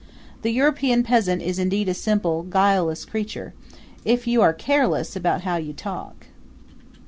The European peasant is indeed a simple, guileless creature if you are careless about how you talk.